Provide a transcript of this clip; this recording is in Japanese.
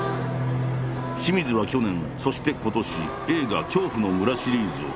清水は去年そして今年映画「恐怖の村」シリーズを公開。